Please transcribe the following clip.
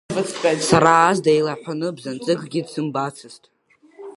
Сара ас деилаҳәаны бзанҵыкгьы дсымбацызт.